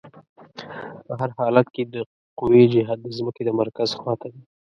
په هر حالت کې د قوې جهت د ځمکې د مرکز خواته دی.